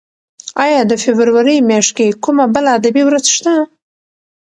ایا د فبرورۍ میاشت کې کومه بله ادبي ورځ شته؟